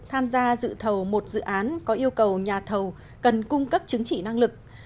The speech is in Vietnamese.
tham gia dự thầu một dự án có yêu cầu nhà thầu cần cung cấp chứng chỉ năng lực